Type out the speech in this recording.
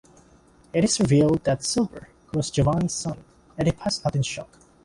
It is revealed that Silver was Giovanni's son and he passed out in shock.